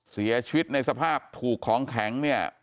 เสียชีวิตในสภาพถูกของแข็งเนี่ย